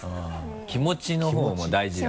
気持ちのほうも大事なの？